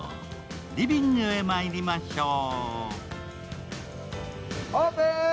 リビングへ参りましょう。